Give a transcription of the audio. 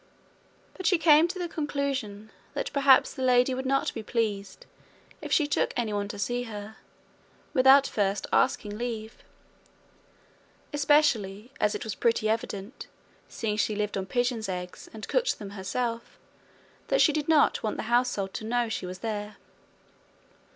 But she came to the conclusion that perhaps the lady would not be pleased if she took anyone to see her without first asking leave; especially as it was pretty evident, seeing she lived on pigeons' eggs, and cooked them herself, that she did not want the household to know she was there.